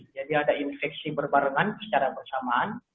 jadi ada infeksi berbarengan secara bersamaan